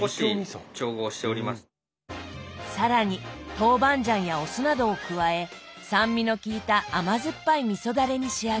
更に豆板醤やお酢などを加え酸味の効いた甘酸っぱいみそダレに仕上げます。